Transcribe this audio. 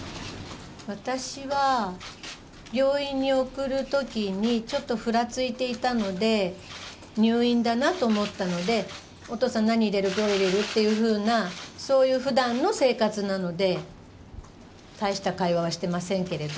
私は病院に送るときにちょっとふらついていたので、入院だなと思ったので、お父さん、何入れる、どう入れるっていうふうな、そういうふだんの生活なので、大した会話はしてませんけれど。